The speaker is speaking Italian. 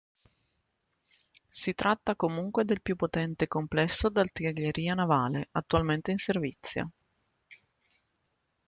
Si tratta comunque del più potente complesso d'artiglieria navale attualmente in servizio.